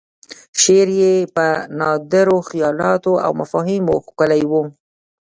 شعر یې په نادرو خیالاتو او مفاهیمو ښکلی و.